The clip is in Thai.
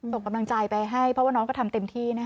ส่งกำลังใจไปให้เพราะว่าน้องก็ทำเต็มที่